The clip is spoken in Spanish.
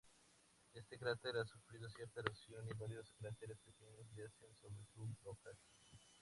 Este cráter ha sufrido cierta erosión, y varios cráteres pequeños yacen sobre su brocal.